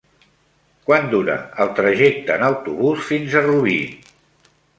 Quant dura el trajecte en autobús fins a Rubí?